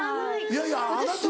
いやいやあなたも。